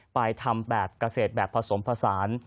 ไปทำแบบเกษตรแบบผสมผสาน